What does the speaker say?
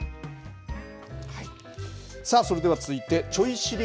それでは続いて、ちょい知り！